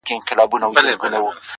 • كوټه ښېراوي هر ماښام كومه ـ